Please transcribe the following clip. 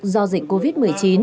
do dịch covid một mươi chín